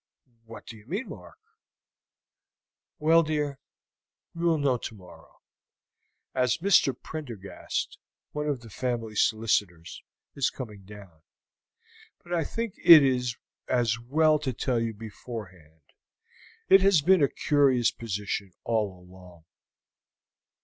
"What do you mean, Mark?" "Well, dear, you will know tomorrow, as Mr. Prendergast, one of the family solicitors, is coming down; but I think it is as well to tell you beforehand. It has been a curious position all along.